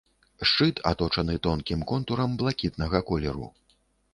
Шчыт аточаны тонкім контурам блакітнага колеру.